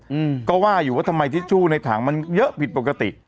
อืมก็ว่าอยู่ว่าทำไมทิชชู่ในถังมันเยอะผิดปกติ